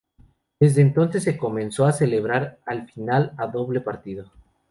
Desde entonces se comenzó a celebrar la final, a doble partido.